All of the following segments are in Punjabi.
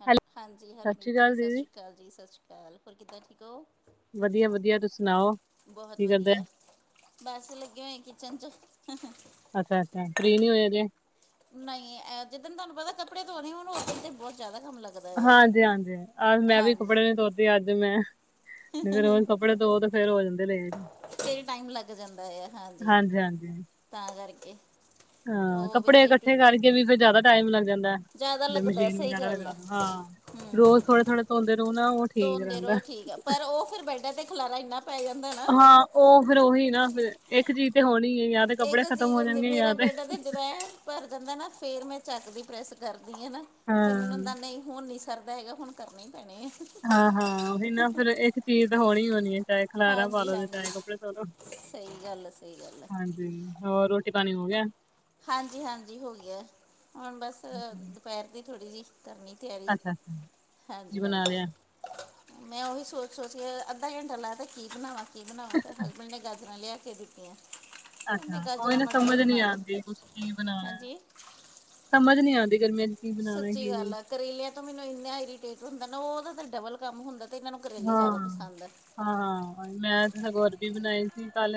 ਹੈਲੋ, ਹਾਂਜੀ ਸਤਿ ਸ਼੍ਰੀ ਹਰਮੀਤ ਜੀ, ਅਕਾਲ ਦੀਦੀ ਸਾਸਰੀ ਕਾਲ ਜੀ, ਸਾਸਰੀ ਕਾਲ, ਹੋਰ ਕਿੱਦਾਂ ਠੀਕ ਓ? ਵਧੀਆ-ਵਧੀਆ, ਤੁਸੀਂ ਸੁਣਾਓ? ਬਹੁਤ ਕੀ ਕਰਦੇ ਵਧੀਆ, ਬਸ ਲੱਗੇ ਹੋਏ ਕਿਚਨ 'ਚ। ਅੱਛਾ-ਅੱਛਾ, ਫਰੀ ਨੀ ਹੋਏ ਅਜੇ। ਨਈ ਐ, ਜਿੱਦਣ ਤੁਹਾਨੂੰ ਪਤਾ ਕੱਪੜੇ ਧੋਣੇ ਹੋਨ, ਉੱਦਣ ਤੇ ਬੋਤ ਜਾਦਾ ਕੰਮ ਲੱਗ ਹਾਂਜੀ-ਹਾਂਜੀ, ਅੱਜ ਮੈਂ ਵੀ ਕੱਪੜੇ ਨੀ ਧੋਤੇ, ਅੱਜ ਮੈਂ ਜੇ ਰੋਜ ਕੱਪੜੇ ਧੋਵੋ ਤੇ ਫੇਰ ਹੋ ਜਾਂਦੇ ਨੇ। ਫੇਰ ਟਾਈਮ ਲੱਗ ਜਾਂਦਾ ਆ, ਹਾਂਜੀ ਹਾਂਜੀ ਤਾਂ ਕਰਕੇ। ਤੇ ਹਾਂ ਉਹ ਵਿੱਚ ਕੱਪੜੇ ਹੀ ਕੱਠੇ ਕਰਕੇ ਵੀ ਫਿਰ ਜਾਦਾ ਟਾਈਮ ਲੱਗ ਜਾਂਦਾ। ਜ਼ਿਆਦਾ ਮੈਂ ਲੱਗਦਾ ਮਸ਼ੀਨ ਸਹੀ ਵਗੈਰਾ ਗੱਲ ਹੈ ਲਗਾਂਦਾ ਹਾਂ। ਹਮ ਰੋਜ਼ ਥੋੜੇ-ਥੋੜ੍ਹੇ ਧੋਂਦੇ ਰੋ ਨਾ ਓ ਠੀਕ ਰੈਂਦਾ। ਐ ਤੇ ਖਲਾਰਾ ਇੰਨਾ ਪੈ ਜਾਂਦਾ ਨਾ ਹਾਂ ਓ ਫਿਰ ਉਹੀ ਨਾ ਫਿਰ ਇੱਕ ਚੀਜ਼ ਤੇ ਹੋਣੀ। ਹੈ ਜਾਂ ਤੇ ਕੱਪੜੇ ਇੱਕ ਖਤਮ ਚੀਜ਼ ਹੋ ਹੁੰਦੀ ਜਾਣਗੇ ਪਈ ਜਾਂ ਨਾ ਤੇ [unintelligible] ਜਿਵੇਂ ਭਰ ਜਾਂਦਾ ਨਾ ਫਿਰ ਮੈਂ ਚੱਕਦੀ ਪ੍ਰੈਸ ਕਰਦੀ ਨਾ ਹਾਂ ਫਿਰ ਮੈਨੂੰ ਹੁੰਦਾ ਨਈ ਹੁਣ ਨੀ ਕਰਦਾ ਹੈਗਾ ਹੁਣ ਕਰਨੇ ਪੈਣੇ ਐ। ਹਾਂ-ਹਾਂ ਉਹੀ ਨਾ ਫਿਰ ਇੱਕ ਚੀਜ਼ ਤਾਂ ਹੋਣੀ-ਹੋਣੀ ਏ। ਚਾਹੇ ਖਲਾਰਾਂ ਪਾ ਹਾਂਜੀ ਲੋ ਤੇ ਹਾਂਜੀ ਚਾਹੇ ਕੱਪੜੇ ਧੋ ਲੋ ਸਹੀ ਗੱਲ ਆ ਸਹੀ ਗੱਲ ਆ ਹਾਂਜੀ। ਹੋਰ ਰੋਟੀ ਪਾਣੀ ਹੋ ਗਿਆ। ਹਾਂਜੀ-ਹਾਂਜੀ ਹੋ ਗਿਆ ਹੁਣ ਬਸ ਦੁਪੈਰ ਦੀ ਥੋੜ੍ਹੀ ਜੀ ਕਰਨੀ। ਤਿਆਰੀ ਅੱਛਾ-ਅੱਛਾ, ਕੀ ਬਣਾ ਹਾਂਜੀ-ਹਾਂਜੀ। ਲਿਆ? ਮੈਂ ਉਹੀ ਸੋਚ-ਸੋਚ ਕੇ ਅੱਧਾ ਘੰਟਾ ਲਾ ਤੇ ਕੀ ਬਣਾਵਾਂ-ਕੀ ਬਣਾਵਾਂ ਤੇ ਹਲ ਮਨੇ ਗਾਜਰਾਂ ਲਿਆ ਕੇ ਦਿੱਤੀਆਂ। ਕਹਿੰਦੇ ਅੱਛਾ ਉਹੀ ਗਾਜਰਾਂ ਨਾਂ ਮਟਰ ਸਮਝ ਨੀ ਬਣਾ ਲਓ ਆਂਦੀ ਕੁੱਛ ਕੀ ਬਨਾਨਾ ਹਾਂਜੀ ਸਮਝ ਨੀ ਆਂਦੀ ਗਰਮੀਆਂ ਕੀ ਬਣਾਣਾ ਸੱਚੀ ਕੀ ਨੀ। ਗੱਲ ਐ ਕਰੇਲਿਆਂ ਤੋਂ ਮੈਨੂੰ ਇਨਾ ਇਰੀਟੇਟ ਹੁੰਦਾ ਨਾ ਉਹਦਾ ਤਾਂ ਡਬਲ ਕੰਮ ਹੁੰਦਾ। ਇਨਾਂ ਨੂੰ ਕਰੇਲੇ ਜਾਦਾ ਪਸੰਦ ਐ। ਹਾਂ-ਹਾਂ ਮੈਂ ਤੇ ਸਗੋਂ ਅਰਬੀ ਬਣਾਈ ਸੀ ਕੱਲ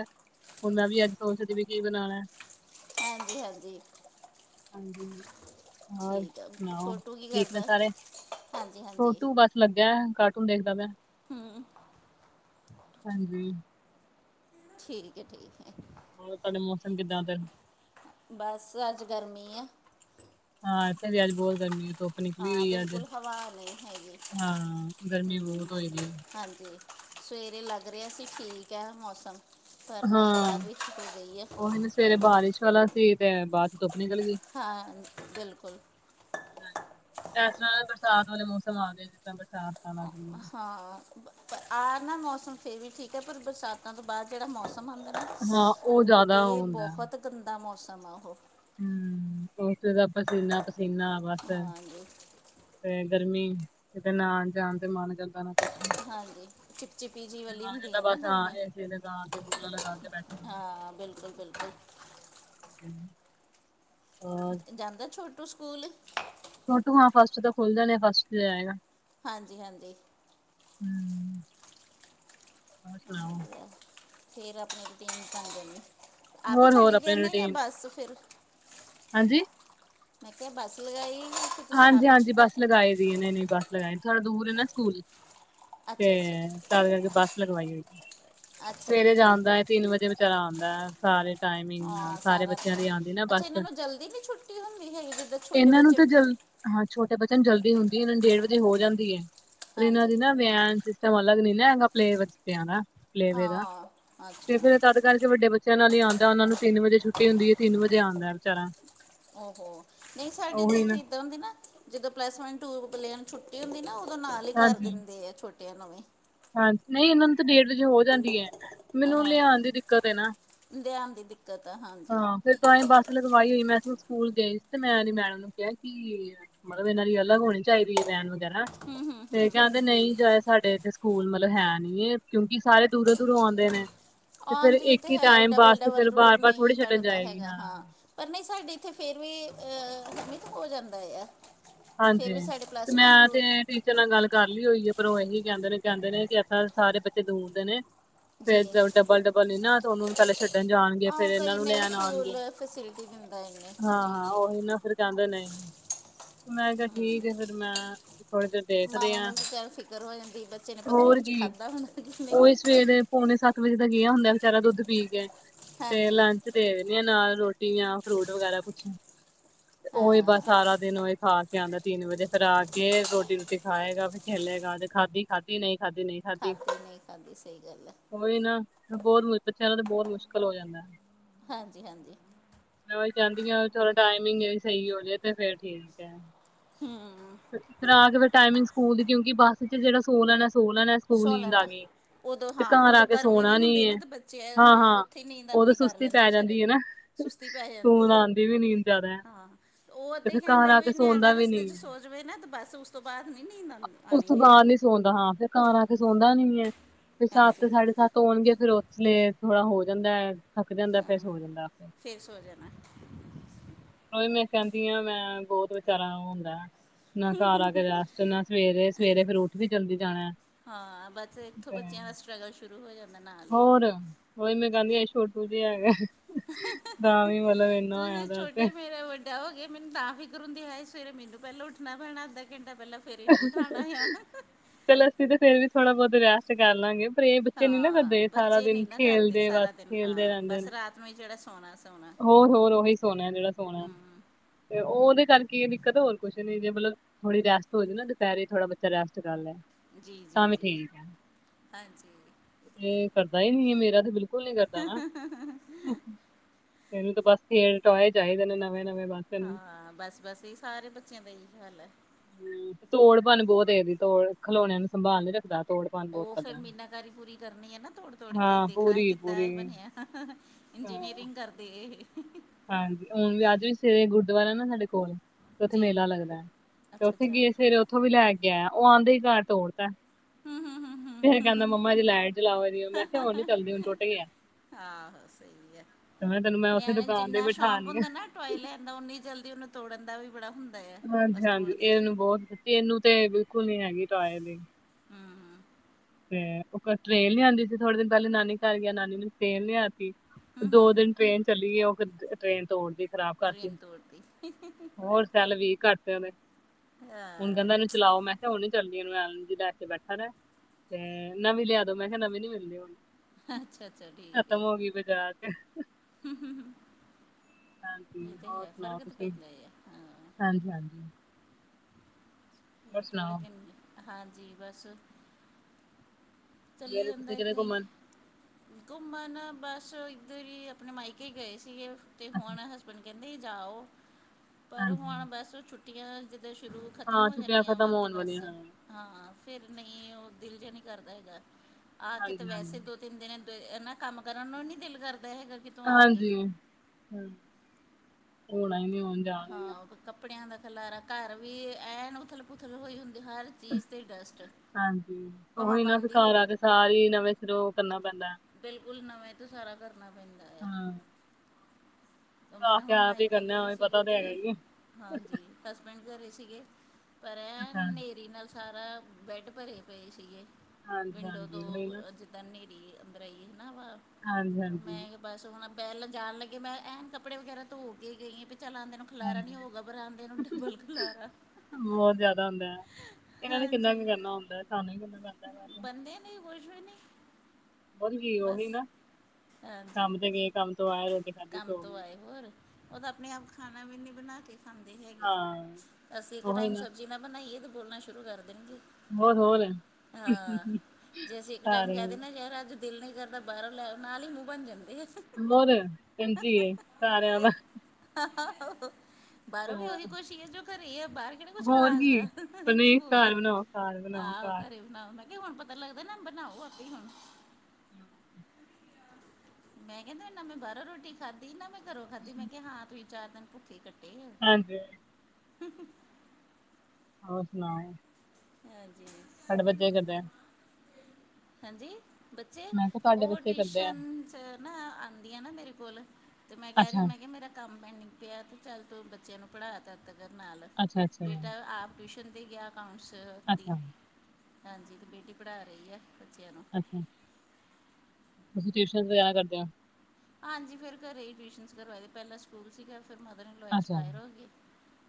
ਹੁਣ ਮੈਂ ਵੀ ਅੱਜ ਸੋਚਦੀ ਬੀ ਕੀ ਬਣਾਣਾ। ਹਾਂਜੀ-ਹਾਂਜੀ। ਹਾਂਜੀ ਹੋਰ ਠੀਕ ਆ ਸੁਣਾਓ ਛੋਟੂ ਕੀ ਠੀਕ ਨੇ ਕਰਦਾ ਸਾਰੇ ਹਾਂਜੀ ਹਾਂਜੀ ਛੋਟੂ ਬਸ ਲੱਗਿਆ ਕਾਰਟੂਨ ਦੇਖਦਾ ਪਿਆ। ਹੂੰ ਹਾਂਜੀ ਠੀਕ ਏ-ਠੀਕ ਏ। ਹੋਰ ਤੁਹਾਡੇ ਮੌਸਮ ਕਿੱਦਾਂ ਦਾ। ਬਸ ਅੱਜ ਗਰਮੀ ਐ। ਹਾਂ ਇੱਥੇ ਵੀ ਅੱਜ ਬੋਤ ਗਰਮੀ ਐ ਧੁੱਪ ਨਿਕਲੀ ਹਾਂ ਹੋਈ ਅੱਜ। ਬਿਲਕੁਲ ਹਵਾ ਨਈ ਹੈਗੀ ਹਾਂ, ਗਰਮੀ ਹੂੰ ਬਹੁਤ ਹੋਈ ਦੀ ਐ। ਹਾਂਜੀ। ਸਵੇਰੇ ਲੱਗ ਰਿਆ ਸੀ ਠੀਕ ਐ ਮੌਸਮ ਪਰ ਨਈ ਹਾਂ। ਬਾਦ 'ਚ ਹੋ ਗਈ ਆ ਉਹੀ ਨਾ ਸਵੇਰੇ ਗਰਮ ਬਾਰਿਸ਼ ਵਾਲਾ ਸੀ ਤੇ ਬਾਦ 'ਚ ਧੁੱਪ ਨਿਕਲ ਗੀ। ਹਾਂ ਬਿਲਕੁਲ ਐਸਾ ਐ ਬਰਸਾਤ ਵਾਲੇ ਮੌਸਮ ਆ ਗਏ ਜਿਸ ਤਰਾਂ ਬਰਸਾਤ ਹਾਂ ਆ ਨਾ ਮੌਸਮ ਫਿਰ ਵੀ ਠੀਕ ਐ ਪਰ ਬਰਸਾਤਾਂ ਤੋਂ ਬਾਦ ਜੇੜਾ ਮੌਸਮ ਆਂਦਾ ਹਾਂ ਉਹ ਓ ਜ਼ਿਆਦਾ ਉਹ ਤੇ ਬਹੁਤ ਗੰਦਾ ਮੌਸਮ ਆ ਉਹ ਹੂੰ ਉਸ ਦਾ ਪਸੀਨਾ-ਪਸੀਨਾ ਬਸ [inaudible] ਤੇ ਗਰਮੀ ਤੇ ਕਿਤੇ ਆਣ ਜਾਣ ਤੇ ਮਨ ਕਰਦਾ ਨਾ ਛ ਹਾਂਜੀ ਚਿਪਚਿਪੀ ਜਿਹੀ ਵਾਲੀ ਆ ਹੁੰਦੀ ਜਾਦਾ ਹੈ ਨਾ ਬਸ ਹਾਂ ਬਸ ਗਰਮੀ ਏ ਸੀ ਲਗਾ ਕੇ ਕੂਲਰ ਲਗਾ ਕੇ ਹਾਂ ਬਿਲਕੁਲ- ਬਿਲਕੁਲ ਹੂੰ ਜਾਂਦਾ ਛੋਟੂ ਸਕੂਲ ਛੋਟੂ ਹਾਂ ਫਸਟ ਤੋਂ ਖੁੱਲ ਜਾਣੇ ਫਸਟ ਜਾਏਗਾ। ਹਾਂਜੀ-ਹਾਂਜੀ ਹਮ ਹੋਰ ਸੁਣਾਓ ਵਧੀਆ ਫਿਰ ਆਪਣੀ ਰੂਟੀਨ ਖਦੇ ਨੇ ਆਪ ਹੀ ਹੋਰ ਛੱਡ ਹੋਰ ਆਪਣੀ ਗੇਆ ਜਾਂ ਰੂਟੀਨ ਬਸ ਫਿਰ ਹਾਂਜੀ ਮੈਂ ਕਿਹਾ ਬੱਸ ਲ ਗਾਈ ਹਾਂਜੀ ਹਾਂਜੀ ਬੱਸ ਲਗਾਈ ਦੀ ਇਹਨ ਨ ਬੱਸ ਲਗਾਏ ਥੋੜਾ ਦੂਰ ਹੈ ਨਾ ਸਕੂਲ ਤੇ ਅੱਛਾ ਅੱਛਾ ਤ ਕਰਕੇ ਬੱਸ ਲਗਵਾਈ ਹੋਈ ਅੱਛਾ ਜੀ ਸਵੇਰੇ ਜਾਣ ਠੀਕ ਦਾ ਹੈ ਤਿੰਨ ਵਜੇ ਵਿਚਾਰਾ ਆਂਦਾ ਹੈ ਸਾਰੇ ਟਾਈਮਿੰਗ ਨਾਲ ਹਾਂ ਸਾਰੇ ਸਾਰਾ ਬੱਚਿਆਂ ਦਿਨ ਦੇ ਆਉਂਦੇ ਨਾ ਅੱਛਾ ਬਸ ਇਹਨਾਂ ਨੂੰ ਜਲਦੀ ਨੀ ਛੁੱਟੀ ਹੁੰਦੀ ਹੈਗੀ ਜਿੱਦਾਂ ਛੋਟੇ ਇਹਨਾਂ ਨੂੰ ਬੱਚੇ ਤੇ ਜਲ ਹਾਂ ਛੋਟੇ ਬੱਚਿਆਂ ਨੂੰ ਜਲਦੀ ਹੁੰਦੀ ਇਹਨਾਂ ਨੂੰ ਡੇਢ ਵਜੇ ਹੋ ਜਾਂਦੀ ਹੈ ਪਰ ਇਹਨਾਂ ਦੀ ਹਾਂਜੀ ਨਾ ਮ ਅਲੱਗ ਨ ਨਾ ਹੈਗਾ ਪਲੇ ਵੇ ਆ ਨਾ ਪਲੇਵੇ ਦਾ ਹਾਂ ਤੇ ਅੱਛਾ ਫਿਰ ਤਡ ਕਰਕੇ ਵੱਡੇ ਬੱਚਿਆਂ ਨਾਲ ਹੀ ਆਉਂਦਾ ਉਹਨਾਂ ਨੂੰ ਤਿੰਨ ਵਜੇ ਛੁੱਟੀ ਹੋਂਦੀ ਹੈ ਤਿੰਨ ਵਜੇ ਆਉਦਾ ਵਿਚਾਰਾ ਉਹੋ ਨਹੀਂ ਸਾਡੇ ਉਹੀ ਨਾ ਇਥੇ ਇੱਦਰ ਹੁੰਦੀ ਨਾ ਜਦੋਂ ਪਲੱਸ ਟੂ ਪਲੇ ਛੁੱਟੀ ਹੁੰਦੀ ਨਾ ਨਾਲ ਹੀ ਕਰ ਹਾਂਜੀ ਦਿੰਦੇ ਆ ਛੋਟਿਆਂ ਨੂੰ ਵੀ ਹਾਂਜੀ ਨਹੀਂ ਇਹਨਾਂ ਨੂੰ ਤਾਂ ਡੇਢ ਵਜੇ ਹੋ ਜਾਂਦੀ ਹੈ ਮੈਨੂੰ ਲਿਆਉਣ ਦੀ ਦਿੱਕਤ ਨਾ ਦੇਆਉਣ ਦੀ ਦਿੱਕਤ ਆ ਹਾਂਜੀ ਫੇਿਰ ਤਾਂਈ ਬੱਸ ਲਗਵਾਈ ਹੋਈ ਮੈਂ ਸਕੂਲ ਗਈ ਸੀ ਤੇ ਮੈਂਦੀ ਮੈਡਮ ਨੂੰ ਕਿਹਾ ਕਿ ਮਤਲਬ ਇਹਨਾਂ ਦੀ ਅਲੱਗ ਹੋਣੀ ਚਾਹੀਦੀ ਹੈ ਵੈਨ ਵਗੈਰਾ ਤੇ ਕ ਨਹੀਂ ਜਾਏ ਸਾਡੇ ਇੱਥੇ ਸਕੂਲ ਮਤਲਬ ਹੈ ਨੀ ਕਿਉਂਕਿ ਸਾਰੇ ਦੂਰੋਂ ਦੂਰੋਂ ਆਉਂਦੇ ਨੇ ਤੇ ਫਿਰ ਹਾਂਜੀੀ ਇਹ ਇੱਕ ਤਾਂ ਹੀ ਹੈ ਟਾਈਮ ਡਬਲ ਬੱਸ ਤੇ ਡਬਲ ਫਿਰ ਰੂਟ ਬਾਰ ਬਾਰ ਥੋੜ੍ਹੀ ਨਹੀਂ ਛੱਡਣ ਕੱਟਦਾ ਜਾਏਗੀ ਹੈਗਾ ਹਾਂ ਪਰ ਨਹੀਂ ਸਾਡੇ ਇੱਥੇ ਫੇਰ ਵੀ ਅਮਿਤ ਹੋ ਜਾਂਦਾ ਆ ਹਾਂਜੀ ਫਿਰ ਵੀ ਸਾਡੇ ਤੇ ਪਲੱਸ ਮੈਂ ਵਨ ਟੂ ਤੇ ਟੀਚਰ ਨਾਲ ਗੱਲ ਕਰ ਲਈ ਹੋਈ ਹੈ ਪਰ ਉਹ ਇਹੀ ਕਹਿੰਦੇ ਨੇ ਕਹਿੰਦੇ ਨੇ ਕਿ ਇਥਾਂ ਸਾਰੇ ਬੱਚੇ ਦੂਰ ਦੇ ਨੇ ਫੇਰ ਜੀ ਡਬਲ ਡਬਲ ਨ ਨਾ ਉਹਨੂੰ ਪੈਲੇ ਛੱਡਣ ਜਾਣਗੇ ਫੇਰ ਆਹ ਇਹਨਾਂ ਕਈ ਨੂੰ ਨਈ ਲੈਣ ਆਣਗੇ ਸਕੂਲ ਫੈਸਿਲਿਟੀ ਦਿੰਦਾ ਇਹਨੇ ਹਾਂ ਜੀ ਹਾਂ ਜੀ ਉਹੀ ਨਾ ਫਿਰ ਚਾਹਦੇ ਨੇ ਮੈਂ ਕਿਹਾ ਠੀਕ ਆ ਫੇਰ ਮੈਂ ਥੋੜੀ ਦੇਰ ਦੇਖਦੇ ਮਾਵਾਂ ਹਾਂ ਨੂੰ ਵੀ ਚੱਲ ਫਿਕਰ ਹੋ ਜਾਂਦੀ ਬੱਚੇ ਨੇ ਪਤਾ ਨਹੀਂ ਹੋਰ ਕੁਝ ਖਾਦਾ ਹੋਣਾ ਕਿ ਉਹੀ ਨਹੀਂ ਸ ਵੇਰ ਪੌਣੇ ਸੱਤ ਵਜੇ ਦਾ ਗਿਆ ਹੁੰਦਾ ਵਿਚਾਰਾ ਦੁੱਧ ਪੀ ਕੇ ਤੇ ਹਾਂਜੀ ਲੰਚ ਦੇ ਦੇਣੇ ਆ ਨਾਲ ਰੋਟੀਆਂ ਫਰੂਟ ਵਗੈਰਾ ਕੁਛ ਤੇ ਉਹੀ ਬਸ ਹਾਂ ਸਾਰਾ ਦਿਨ ਹੀ ਖਾ ਕੇ ਆਉਂਦਾ ਤਿੰਨ ਵਜੇ ਫੇਰ ਆ ਕੇ ਰੋਟੀ ਰੋਟੀ ਖਾਏਗਾ ਫਰ ਖੇਲੇਗਾ ਤੇ ਖਾਧੀ ਖਾਧੀ ਨਹੀਂ ਖਾਧੀ ਨਹੀਂ ਖਾਧੀ ਖਾਂਦੀ ਨਹੀਂ ਖਾਂਦੀ ਸਹੀ ਗੱਲ ਹੈ ਉਹੀ ਨਾ ਬੋਤ ਬੱਚਿਆਂ ਨਾਲ ਤੇ ਬੋਤ ਮੁਸ਼ਕਿਲ ਹੋ ਜਾਂਦਾ ਹਾਂਜੀ ਹਾਂਜੀ ਮੈਂ ਉਹ ਚਾਂਦੀ ਹ ਥੋੜਾ ਟਾਈਮਿੰਗ ਸਹੀ ਹੋ ਜਾਵੇ ਤੇ ਫੇਰ ਠੀਕ ਹੈ ਫ ਆ ਕੇ ਫਿਰ ਟਾਈਮਿੰਗ ਸਕੂਲ ਦੀ ਕਿਉਂਕਿ ਬੱਸ ਚ ਜੇੜਾ ਸੋਲਾਂ ਨੇ ਸੋਲਾਂ ਨੇ ਸਕੂਲ ਚ ਸੋ ਨੀਦ ਆ ਲੈਣਾ ਗਈ ਉਦੋਂ ਤੇ ਹਾਂ ਘਰ ਆ ਉਦੋਂ ਕੇ ਗਰਮੀ ਵੀ ਸੋਣਾ ਨੀ ਹੁੰਦੀ ਨਾ ਏ ਤੇ ਬੱਚੇ ਹਾਂ ਹਾਂ-ਹਾਂ ਉੱਥੇ ਹੀ ਨੀਂਦ ਉਦੋਂ ਆਪਣੀ ਕਰ ਸੁਸਤੀ ਲੈਂਦੇ ਪੈ ਵਿਚਾਰੇ ਜਾਂਦੀ ਏ ਨਾ ਸੁਸਤੀ ਪੈ ਜਾਂਦੀ ਸੂਣ ਹੈ ਆਂਦੀ ਵੀ ਨੀਂਦ ਜਾਦਾ ਹਾਂ ਤੇ ਉਹ ਅੱਧੇ ਫਿਰ ਘਰ ਘੰਟਾ ਆ ਵੀ ਕੇ ਨਿਆਣਾ ਸੌਦਾ ਵੀ ਨੀ ਰਸਤੇ ਚ ਹੈ ਸੋਚ ਨਾ ਤੇ ਬਸ ਉਸ ਤੋਂ ਬਾਦ ਚ ਨੀ ਨੀਂਦ ਉਸ ਆਣੇ ਤੋਂ ਨਿਆਣੇ ਬਾਅਦ ਨੀ ਸੌਦਾ ਹਾਂ ਫੇਿਰ ਘਰ ਆ ਕੇ ਸੌਂਦਾ ਨੀ ਹੈ ਫੇਰ ਸੱਤ ਹਾਂਜੀ ਸਾਢੇ ਸੱਤ ਸੋਣਗੇ ਫੇਿਰ ਉਸਲੇ ਥੋੜਾ ਹੋ ਜਾਂਦਾ ਥੱਕ ਜਾਂਦਾ ਹਾਂ ਫਿਰ ਸੋ ਜਾਂਦਾ ਫਿਰ ਸੋ ਜਾਣਾ ਮੈਂ ਕੈਂਦੀ ਆ ਮੈਂ ਬੋਤ ਵਿਚਾਰਾ ਹੁੰਦਾ ਨਾ ਘਰ ਆ ਕੇ ਰੈਸਟ ਨਾ ਸਵੇਰੇ ਸਵੇਰੇ ਫਿਰ ਉਠ ਵੀ ਜਲਦੀ ਜਾਣਾ ਹਾਂ ਬਸ ਇੱਥੋਂ ਤੇ ਬੱਚਿਆਂ ਦਾ ਸਟਰਗਲ ਸ਼ੁਰੂ ਹੋ ਜਾਂਦਾ ਨਾ ਹੋਰ ਉਹੀ ਮੈਂ ਕੈਂਦੀ ਛੋਟੂ ਜਿਹਾ ਹੈਗਾ ਤਾਂ ਵੀ ਮਤਲਬ ਇੰਨਾ ਹੋਇਆ ਪਿਆ ਤੇ ਜਾਓਗੇ ਮੈਨੂੰ ਤਾਂ ਫਿਕਰ ਹੁੰਦੀ ਐ ਸਵੇਰੇ ਮੈਨੂੰ ਪੈਲਾਂ ਉੱਠਨਾ ਪੈਨੈ ਅੱਧਾ ਘੰਟਾ ਪੈਲਾਂ ਫੇਰ ਏਨੂੰ ਉਠਾਨਾ ਆ ਚਲੋ ਅਸੀਂ ਤੇ ਫੇਰ ਵੀ ਥੋੜਾ ਬੋਤ ਰੈਸਟ ਕਰਲਾਂਗੇ। ਕਈ ਬੱਚੇ ਨੀ ਨਾ ਹਾਂ ਕਰਦੇ ਸਾਰਾ ਬੱਚੇ ਦਿਨ ਨਹੀਂ ਨਾ ਖੇਲਦੇ ਬਸ ਖੇਲਦੇ ਰੈਂਦੇ ਨੇ। ਬਈ ਜੇੜਾ ਸੋਨੈ-ਸੋਨੈ ਹੋਰ-ਹੋਰ ਓਹੀ ਸੋਨੈ ਜੇੜਾ ਸੋਨਾ ਤੇ ਓ ਓਦੇ ਕਰਕੇ ਏ ਦਿੱਕਤ ਹੋਰ ਕੁਛ ਨੀ ਜੇ ਮਤਲਬ ਥੋੜ੍ਹੀ ਰੈਸਟ ਹੋਜੇ ਨਾ ਦੁਪੈਰੇ ਥੋੜਾ ਬੱਚਾ ਰੈਸਟ ਕਰ ਲੈ ਤਾਂ ਵੀ ਜੀ-ਜੀ-ਜੀ ਠੀਕ ਹੈ ਹਾਂਜੀ ਇਹ ਕਰਦਾ ਹੀ ਨੀ ਮੇਰਾ ਤੇ ਬਿਲਕੁਲ ਨੀ ਕਰਦਾ ਏਨੂੰ ਤਾਂ ਬਸ ਖੇਲ ਟੋਆਏ ਚਾਈਦੈ ਨੇ ਨਵੇਂ-ਨਵੇਂ ਵੰਨ ਹਾਂ ਬਸ-ਬਸ ਏਈ ਸਾਰੇ ਬੱਚਿਆਂ ਦਾ ਏਹੀ ਹਾਲ ਐ। ਹਮ, ਤੋੜ ਭੰਨ ਬੋਤ ਏ ਏਦੀ ਤੋੜ ਖਲੋਨਿਆਂ ਨੂੰ ਸੰਭਾਲ ਨੀ ਰੱਖਦਾ। ਤੋੜ ਭੰਨ ਬਹੁਤ ਓ ਫੇਰ ਕਰਦਾ ਮੀਨਾਕਾਰੀ ਪੂਰੀ ਕਰਨੀ ਐ ਨਾ ਤੋੜ-ਤੋੜ ਕੇ ਹਾਂ ਦੇਖਨਾ ਪੂਰੀ ਕਿੱਦਾਂ ਏ ਪੂਰੀ ਬਨੇਆ। ਹਾਂ, ਇੰਜੀਨੀਅਰਿੰਗ ਕਰਦੇ ਹਾਂਜੀ ਹੁਨ ਵੀ ਅਜ ਵੀ ਸਵੇਰੇ ਗੁਰਦੁਆਰਾ ਨਾ ਸਾਡੇ ਕੋਲ ਤੇ ਓਥੇ ਜੀ ਮੇਲਾ ਲੱਗਦਾ ਐ ਤੇ ਅੱਛਾ ਓਥੇ ਅੱਛਾ ਗਏ ਸਵੇਰੇ ਓਥੋਂ ਵੀ ਲੈ ਕੇ ਆਏ ਆਂ ਓ ਔਂਦੇ ਈ ਘਰ ਤੋੜਤਾ। ਹੂੰ ਹੂੰ ਹੂੰ ਹੂੰ ਫੇਰ ਕੈਂਦਾ ਮੰਮਾ ਏਦੀ ਲਾਈਟ ਚਲਾਵੋ ਏਦੀ ਮੈਂ ਕਿਆ ਹੁਨ ਨੀ ਚੱਲਦੀ ਹੁਨ ਟੁੱਟ ਗੇਆ। ਹਾਂ ਸਈ ਕਿਆ ਤੈਨੂੰ ਮੈਂ ਉੱਥੇ ਨਿਆਨੇਆਂ ਨੂੰ ਦੁਕਾਨ ਤੇ ਜਿੰਨਾ ਸ਼ੌਕ ਬਿਠਾਣੀ ਆ ਹੁੰਦਾ ਨਾ ਟੋਆਏ ਲੈਂਨ ਦਾ ਓਨੀ ਜਲਦੀ ਓਨੂੰ ਤੋੜਨ ਦਾ ਵੀ ਬੜਾ ਹੁੰ ਹਾਂਜੀ-ਹਾਂਜੀ ਏਨੂੰ ਬੋਤ, ਏਨੂੰ ਤੇ ਬਿਲਕੁਲ ਨੀ ਹੈਗੀ ਟੋਆਏ ਦੀ। ਹੂੰ-ਹੂੰ। ਤੇ ਓ ਟ੍ਰੇਨ ਲਿਆਂਦੀ ਸੀ ਥੋੜੇ ਦਿਨ ਪੈਲੇ ਨਾਨੀ ਘਰ ਗਿਆ ਨਾਨੀ ਨੇ ਟ੍ਰੇਨ ਲਿਆਤੀ। ਦੋ ਦਿਨ ਟ੍ਰੇਨ ਚਲੀ ਐ, ਓ ਟ੍ਰੇਨ ਤੋੜਦੀ ਖਰਾਬ ਕਰਤੀ, ਟ੍ਰੇਨ ਤੋੜਦੀ ਹੋਰ ਸੈਲ ਵੀ ਘੱਟ ਐ ਓਦੇ, ਹੁਨ ਹਾਂ ਕੈਂਦਾ ਏਨੂੰ ਚ ਚਲਾਓ ਮੈਂ ਕਿਆ ਹੁਨ ਨੀ ਚੱਲਦੀ ਐਂਜ ਈ ਲੈ ਕੇ ਬੈਠਾ ਰੈ। ਤੇ ਨਵੀਂ ਲਿਆਦੋ ਮੈਂ ਕਿਆ ਨਵੀਂ ਨੀ ਮਿਲਦੀ ਹੁਨ, ਅੱਛਾ ਅੱਛਾ ਠੀਕ ਹੈ ਖਤਮ ਹੋ ਗਈ ਬਜਾਰ [inaudible] ਇਹ ਹਾਂਜੀ ਤੇ ਹੈ ਫਰਕ ਤੇ ਪੈਂਦਾ ਆ ਹਾਂ ਹਾਂਜੀ-ਹਾਂਜੀ। ਥੋੜ੍ਹੇ ਸੁਣਾਓ ਦਿਨ ਹਾਂਜੀ ਬਸ ਚਲੀ ਗਏ ਜਾਂਦਾ ਤੁਸੀਂ ਕਿਤੇ ਏਦਾਂ ਈ ਘੁੰਮਣ ਘੁੰਮਨ ਬਸ ਇਦਰ ਈ ਆਪਨੇ ਮਾਇਕੇ ਈ ਗਏ ਸੀਗੇ ਤੇ ਅੱਛਾ ਹੁਨ ਹਸ ਬੈਂਡ ਕੈਂਦੇ ਜਾ ਆਓ, ਪਰ ਹੁਨ ਹਾਂਜੀ ਬਸ ਛੁੱਟੀਆਂ ਜਿੱਦੇ ਸ਼ੁਰੂ ਖਤਮ ਹਾਂ ਹੋ ਛੁੱਟੀਆਂ ਜਾਨੀਆਂ ਵਾ ਖਤਮ ਤੇ ਹੋਣ ਬਸ ਵਾਲੀਆਂ ਹਾਂ ਹਾਂ ਫੇਰ ਨਈ ਓ ਦਿਲ ਜਾ ਨੀ ਕਰਦਾ ਹੈਗਾ। ਆਹ ਕਿਤੇ ਹਾਂਜੀ ਵੈਸੇ ਹਾਂਜੀ ਦੋ ਤਿੰਨ ਦਿਨ ਨਾ ਕੰਮ ਕਰਨ ਨੂੰ ਨੀ ਦਿਲ ਕਰਦਾ ਹੈਗਾ ਕਿਤ ਹਾਂਜੀ, ਹੂੰ ਹੋਨਾ ਈ ਨਈ ਹੁਨ ਹਾਂ ਕੱਪੜਿਆਂ ਦਾ ਖਿਲਾਰਾ ਘਰ ਵੀ ਐਨ ਉਥਲ ਪੁਥਲ ਹੋਈ ਹੁੰਦੀ ਹਰ ਚੀਜ਼ ਤੇ ਈ ਡਸਟ ਭਵਾਂ ਬੰਦ ਈ ਹੋਊ। ਸਾਰੇ ਈ ਨਵੇਂ ਸਿਰੋ ਓ ਕਰਨਾ ਪੈਂਦਾ। ਬਿਲਕੁਲ ਨਵੇਂ ਤੋਂ ਸਾਰਾ ਕਰਨਾ ਪੈਂਦਾ। ਹੂੰ ਤੋ ਮੈਂ ਹੁਨ ਹੀ ਮਾਈਕੇ ਕਰਨਾ ਗਈ ਉਹੀ ਸੀਗੀ, ਪਤਾ ਹੈਗਾ ਤੇ ਹੀ ਹੈ। ਹਾਂਜੀ ਹਸਬੈਂਡ ਘਰੇ ਸੀਗੇ, ਪਰ ਐਹ ਅੱਛਾ ਨੇਰੀ ਨਾਲ ਸਾਰਾ ਬੈਡ ਭਰੇ ਪਏ ਸੀਗੇ, ਹਾਂਜੀ ਵਿੰਡੋ ਹਾਂਜੀ ਤੋਂ ਉਹੀ ਨਾ ਅੱਜ ਦਅਨੇਰੀ ਅੰਦਰ ਆਈ ਹੈ ਨਾ ਵ ਹਾਂਜੀ -ਹਾਂਜੀ ਬਸ ਹੁਣ ਪਹਿਲਾ ਜਾਣ ਲੱਗੇ ਮੈਂ ਐਨ ਕੱਪੜੇ ਵਗੈਰਾ ਧੋ ਕੇ ਗਈ ਹਾਂ ਵੀ ਚਲਾ ਆਉਂਦੇ ਨੇ ਖਲਾਰਾ ਨੀ ਹਾਂਜੀ ਹੋਊਗਾ, ਬਟ ਆਉਂਦੇ ਨੂੰ ਡਬਲ ਖਲਾਰਾ ਬਹੁਤ ਜ਼ਿਆਦਾ ਹੁੰਦਾ ਇਹਨਾਂ ਨੇ ਕਿੰਨਾ ਹਾਂਜੀ ਕੀ ਕਰਨਾ ਹੁੰਦਾ ਸਾਨੂੰ ਵੀ ਕਿੰਨਾ ਕਰਦਾ ਪੈਂਦਾ ਏ ਬੰਦੇ ਨਹੀਂ ਕੁਛ ਵੀ ਨਹੀਂ ਹੁਣ ਕੀ ਉਹੀ ਬਸ ਨਾ ਹਾਂਜੀ ਕੰਮ ਤੇ ਗਏ ਕੰਮ ਤੋਂ ਆਏ ਰੋਟੀ ਖਾਧੀ ਸੋ ਗਏ ਔ ਤਾ ਆਪਣੇ ਆਪ ਖਾਣਾ ਵੀ ਨਹੀਂ ਬਣਾ ਕੇ ਖਾਂਦੇ ਹੈਗੇ, ਹਾਂ ਅਸੀਂ ਇੱਕ ਟਾਈਮ ਸਬਜ਼ੀ ਨਾ ਬਣਾਈਏ ਤੇ ਬੋਲਣਾ ਸ਼ੁਰੂ ਕਰ ਦੇਣਗੇ ਹੋਰ ਹੋਰ ਹਾਂ, ਜੇ ਅਸੀਂ ਇੱਕ ਟਾਈਮ ਕਹਿ ਸਾਰਿਆਂ ਦੇ ਦਾ ਨਾ ਯਾਰ ਅੱਜ ਦਿਲ ਨਹੀਂ ਕਰਦਾ ਬਾਹਰੋਂ ਲੈ ਆਯੋ, ਨਾਲ ਹੀ ਮੂੰਹ ਬਣ ਜਾਂਦੇ ਐ ਬਹੁਤ ਐ, ਇੰਜ ਹੀ ਹੈ ਸਾਰਿਆਂ ਦਾ ਆ ਆ ਬਾਹਰੋਂ ਵੀ ਹਾਂ ਉਹੀ ਖੁਸ਼ੀ ਹੈ, ਜੋ ਘਰੇ ਆ ਬਾਹਰ ਕਿਹੜਾ ਕੁਛ ਹੋਰ ਖਾਸ ਕੀ ਏਦਾ ਹੀ ਪਨੀਰ ਬੋਲਦੀ, ਘਰ ਬਣਾਓ ਘਰ ਬਣਾਓ ਆਹੋ ਘਰ ਘਰੇ ਮੈਂ ਕਿਹਾ ਹੁਣ ਪਤਾ ਲੱਗਦਾ ਨਾ, ਬਣਾਓ ਆਪੇ ਹੁਣ ਮੈਂ ਕਹਿੰਦਾ ਨਾ ਮੈਂ ਬਾਹਰੋਂ ਰੋਟੀ ਖਾਦੀ ਨਾ ਮੈਂ ਘਰੋਂ ਖਾਦੀ ਮੈਂ ਕਿਹਾ ਹਾਂ ਤੁਸੀਂ ਚਾਰ ਦਿਨ ਭੁੱਖੇ ਈ ਕਟੇ ਐ ਹਾਂਜੀ ਹੋਰ ਸੁਣਾਓ ਹਾਂਜੀ ਤੁਹਾਡੇ ਸਹੀ ਬੱਚੇ ਹੈ ਕਿੰਨੇ ਐ ਹਾਂਜੀ ਬੱਚੇ, ਮੈਂ ਕਿਹਾ ਤੁਹਾਡੇ ਉਹ ਬੱਚੇ ਕਰਦੇ ਆ ਟਿਊਸ਼ਨ 'ਚ ਮੈਂ, ਆਉਂਦੀ ਆ ਨਾ ਮੇਰੇ ਕੋਲ, ਤੇ ਮੈਂ ਕਹਿ ਰਹੀ ਅੱਛਾ ਮੈਂ ਕਿਹਾ ਮੇਰਾ ਕੰਮ ਮੈਂ ਐਨੂੰ ਕੇਹਾ ਸੀ ਚੱਲ ਤੂੰ ਬੱਚਿਆਂ ਨੂੰ ਪੜ੍ਹਾ ਦੇਯਾ ਕਰ ਨਾਲ, ਅੱਛਾ ਅੱਛਾ ਬੇਟਾ ਆਪ ਟਿਊਸ਼ਨ 'ਤੇ ਗਿਆ ਅਕਾਊਂਟਸ ਦੀ ਅੱਛਾ ਹਾਂਜੀ, ਤੇ ਬੇਟੀ ਪੜ੍ਹਾ ਰਹੀ ਹੈ ਬੱਚਿਆਂ ਨੂੰ ਅੱਛਾ ਤੁਸੀਂ ਟਿਊਸ਼ਨ ' ਲੇਯਾ ਕਰਦੇ ਹੋ ਹਾਂਜੀ ਫਿਰ ਘਰੇ ਹੀ ਟਿਊਸ਼ਨ ਕਰਵਾਏ ਪਹਿਲਾਂ ਸਕੂਲ ਸੀਗਾ ਫਿਰ ਮਦਰ ਇਨ ਲਾਅ ਅੱਛਾ ਐਕਸਪਾਇਰ ਹੋ ਗਈ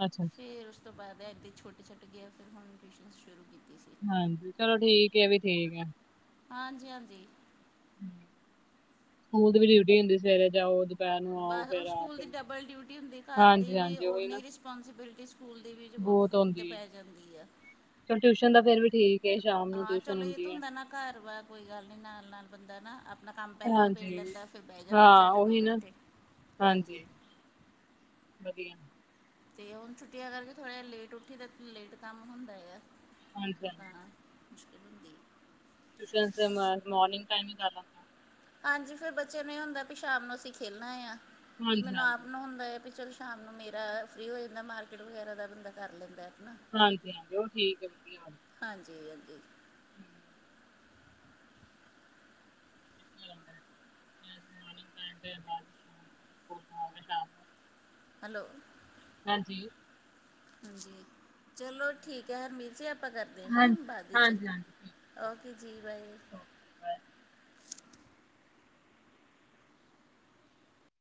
ਅੱਛਾ ਅੱਛਾ ਫਿਰ ਉਸ ਤੋਂ ਬਾਅਦ ਇੱਦੇ ਛੋਟੇ ਛੱਟ ਗਿਆ, ਫਿਰ ਹੁਣ ਟਿਊਸ਼ਨ ਸ਼ੁਰੂ ਕੀਤੀ ਸੀ ਹਾਂਜੀ ਚਲੋ ਠੀਕ ਐ, ਵੀ ਠੀਕ ਆ ਹਾਂਜੀ ਹਾਂਜੀ ਸਕੂਲ ਦੀ ਵੀ ਡਿਊਟੀ ਹੁੰਦੀ ਸਵੇਰੇ ਜਾਓ ਤੇ ਬਸ ਉਹ ਸਕੂਲ ਦੀ ਡਬਲ ਡਿਊਟੀ ਹੁੰਦੀ ਘਰ ਦੀ ਹਾਂਜੀ ਵੀ ਹਾਂਜੀ ਉਹੀ ਨਾ ਉਹਨੀ ਰਿਸਪੋਂਸੀਬਿਲਿਟੀ ਸਕੂਲ ਦੀ ਵੀ ਬਹੁਤ ਤੇ ਹੁੰਦੀ ਹੈ ਪੈ ਜਾਂਦੀ ਆ ਚਲ ਟਿਊਸ਼ਨ ਦਾ ਫਿਰ ਵੀ ਠੀਕ ਹੈ ਸ਼ਾਮ ਨੂੰ ਹਾਂ ਟਿਊਸ਼ਨ ਚਲੋ ਇਹ ਹੁੰਦੀ ਤਾਂ ਹੈ ਹੁੰਦਾ ਨਾ, ਘਰ ਵਾ ਕੋਈ ਗੱਲ ਨੀ ਨਾਲ ਨਾਲ ਬੰਦਾ ਨਾ ਆਪਣਾ ਕੰਮ ਪਹਿਲਾਂ ਨਬੇੜ ਹਾਂਜੀ ਲੈਂਦਾ, ਫਿਰ ਬਹਿ ਹਾਂ ਜਾਂਦਾ ਝਟੇ ਦੋ ਉਹੀ ਨਾ ਘੰਟੇ ਹਾਂਜੀ ਵਧੀਆ ਤੇ ਹੁਣ ਛੁੱਟੀਆਂ ਕਰਕੇ ਥੋੜ੍ਹਾ ਜਿਹਾ ਲੇਟ ਉੱਠੀ ਦਾ, ਤਾਂ ਲੇਟ ਕੰਮ ਹੁੰਦਾ ਐ, ਹਾਂਜੀ ਹਾਂਜੀ ਹਾਂ ਮੁਸ਼ਕਿਲ ਹੁੰਦੀ ਟਿਊਸ਼ਨ ਮੋਰਨਿੰਗ ਟਾਈਮ ਹੀ ਕ ਹਾਂਜੀ ਫੇਰ ਬੱਚੇ ਨੂੰ ਇਹ ਹੁੰਦਾ ਵੀ ਸ਼ਾਮ ਨੂੰ ਅਸੀਂ ਖੇਲਣਾ ਆ, ਹਾਂਜੀ ਮੈਨੂੰ ਹਾਂਜੀ ਆਪ ਨੂੰ ਹੁੰਦਾ ਹੈ ਵੀ ਚਲ ਸ਼ਾਮ ਨੂੰ ਮੇਰਾ ਫ੍ਰੀ ਹੋ ਜਾਂਦਾ ਮਾਰਕੀਟ ਵਗੈਰਾ ਦਾ ਬੰਦਾ ਕਰ ਲੈਂਦਾ ਹੈ ਨਾ ਹਾਂਜੀ ਹਾਂਜੀ ਉਹ ਠੀਕ ਹੈ ਵਧੀਆ ਹਾਂਜੀ ਹਾਂਜੀ ਮਿੰ ਬਾਅਦ [inaudible] ਤੋਂ ਆ ਕੇ ਸ਼ਾਮ ਨੂੰ ਹੈਲੋ ਹਾਂਜੀ। ਹਾਂਜੀ ਚਲੋ ਠੀਕ ਐ, ਹਹਰਮੀਤ ਜੀ ਆਪਾਂ ਕਰਦੇ ਹਨਾ ਹਾਂਜੀ ਬਾਅਦ ਵਿੱਚ। ਹਾਂਜੀ ਹਾਂਜੀ ਠੀਕ ਹੈ ਓਕੇ ਜੀ ਬਾਏ। Okay bye